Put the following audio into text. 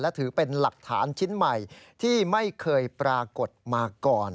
และถือเป็นหลักฐานชิ้นใหม่ที่ไม่เคยปรากฏมาก่อน